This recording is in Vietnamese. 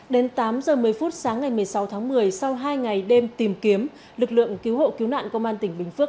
đến tám h một mươi phút sáng ngày một mươi sáu tháng một mươi sau hai ngày đêm tìm kiếm lực lượng cứu hộ cứu nạn công an tỉnh bình phước